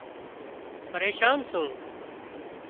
پريشان سُون